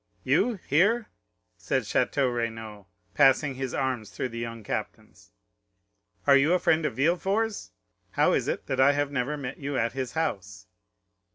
"You here?" said Château Renaud, passing his arms through the young captain's; "are you a friend of Villefort's? How is it that I have never met you at his house?"